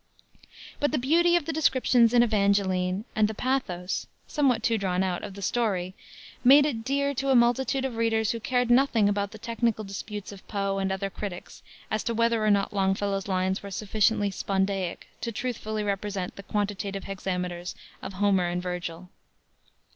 But the beauty of the descriptions in Evangeline and the pathos somewhat too drawn out of the story made it dear to a multitude of readers who cared nothing about the technical disputes of Poe and other critics as to whether or not Longfellow's lines were sufficiently "spondaic" to truthfully represent the quantitative hexameters of Homer and Vergil.